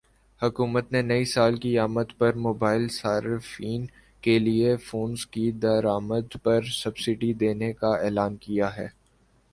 حکومت نے نئی سال کی آمد پر موبائل صارفین کے لیے فونز کی درآمد پرسبسڈی دینے کا اعلان کیا ہے